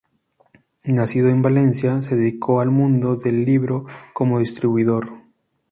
Nacido en Valencia, se dedicó al mundo del libro como distribuidor.